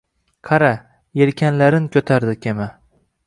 Qara, yelkanlarin ko‘tardi kema.